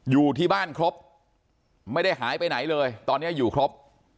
อยู่ที่บ้านครบไม่ได้หายไปไหนเลยตอนนี้อยู่ครบ